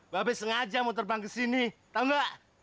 babes ngajar mau terbang kesini tangga